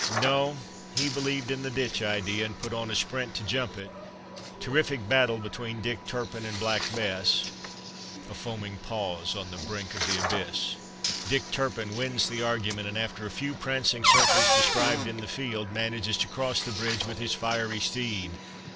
No, he believed in the ditch idea, and put on a sprint to jump it. Terrific battle between Dick Turpin and Black Bess! A foaming pause on the brink of the abyss. Dick Turpin wins the argument, and after a few prancing circles described in the field manages to cross the bridge with his fiery steed.